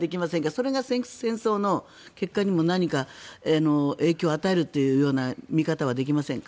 それが戦争の結果にも何か影響を与えるという見方はできませんか？